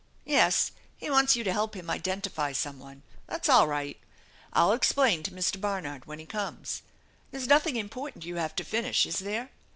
" Yes, he wants you to help him identify some one. That's all right. I'll explain to Mr. Barnard when he comes. There's nothing important you have to finish, is there?